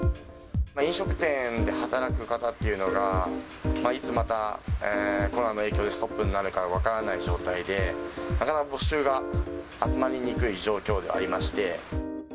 飲食店で働く方っていうのが、いつまたコロナの影響でストップになるか分からない状態で、なかなか募集が集まりにくい状況でありまして。